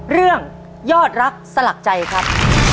เรื่องยอดรักสลักใจครับ